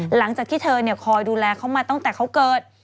หลังจากที่เธอคอยดูแลเขามาตั้งแต่เขาเกิด